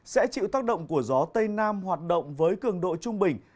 sẽ chịu tác động của gió tây nam hoạt động với cường độ trung bình